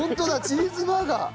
チーズバーガー！